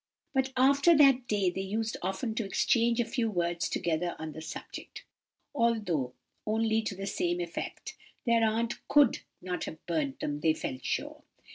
"But after that day they used often to exchange a few words together on the subject, although only to the same effect—their aunt could not have burnt them, they felt sure.